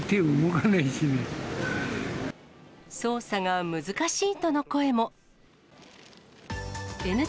操作が難しいとの声も。